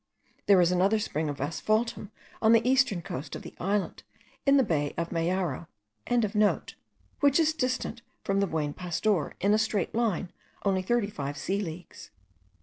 There is another spring of asphaltum on the eastern coast of the island, in the bay of Mayaro.) which is distant from the Buen Pastor, in a straight line, only thirty five sea leagues.